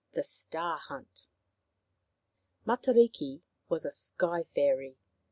THE STAR HUNT Matariki was a Sky fairy.